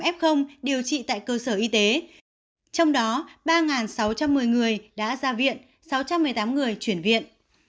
bốn năm trăm sáu mươi tám f điều trị tại cơ sở y tế trong đó ba sáu trăm một mươi người đã ra viện sáu trăm một mươi tám người chuyển viện